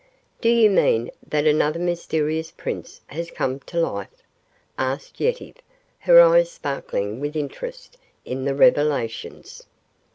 "Do you mean that another mysterious prince has come to life?" asked Yetive, her eyes sparkling with interest in the revelations.